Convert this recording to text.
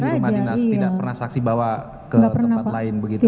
di rumah dinas tidak pernah saksi bawa ke tempat lain begitu